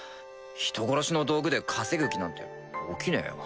人殺しの道具で稼ぐ気なんて起きねぇよ。